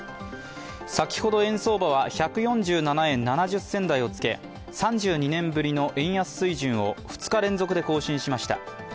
先ほど円相場は１４７円７０銭台をつけ３２年ぶりの円安水準を２日連続で更新しました。